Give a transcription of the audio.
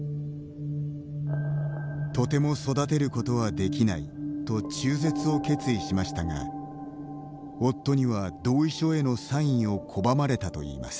とても育てることはできないと中絶を決意しましたが夫には同意書へのサインを拒まれたといいます。